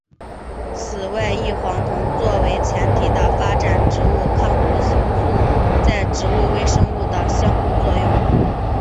此外异黄酮作为前体的发展植物抗毒素在植物微生物的相互作用。